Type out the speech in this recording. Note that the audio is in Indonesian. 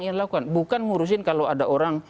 yang dilakukan bukan ngurusin kalau ada orang